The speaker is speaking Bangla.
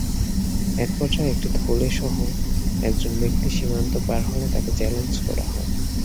একপর্যায়ে একটি থলেসহ একজন ব্যক্তি সীমান্ত পার হলে তাঁকে চ্যালেঞ্জ করা হয়।